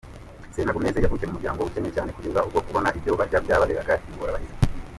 Selena Gomez, yavukiye mu muryango ukennye cyane, kugeza ubwo kubona ibyo barya byababeraga ingorabahizi.